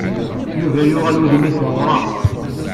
Yuba yuɣal wudem-is d awraɣ.